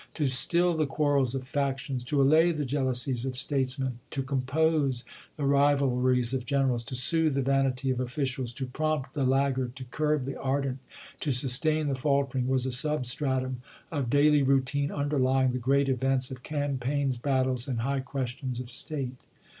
To still the quarrels of factions, to allay the jeal 368 ABRAHAM LINCOLN Chap. XX. ousies of Statesmen, to compose the rivalries of generals, to soothe the vanity of officials, to prompt the laggard, to curb the ardent, to sustain the fal tering, was a substratum of daily routine underly ing the great events of campaigns, battles, and high questions of state.